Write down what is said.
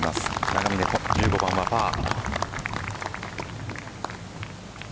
永峰１５番はパー。